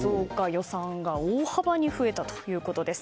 予算が大幅に増えたということです。